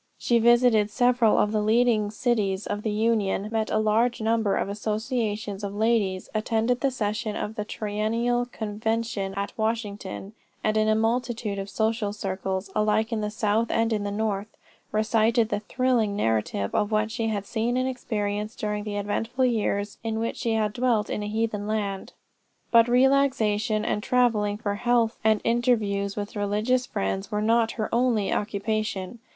She visited several of the leading cities of the Union; met a large number of associations of ladies; attended the session of the Triennial Convention at Washington; and in a multitude of social circles, alike in the South and in the North, recited the thrilling narrative of what she had seen and experienced during the eventful years in which she had dwelt in a heathen land. "But relaxation and travelling for health and interviews with religious friends, were not her only occupation.